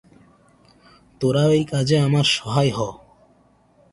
তোরা ঐ কাজে আমার সহায় হ।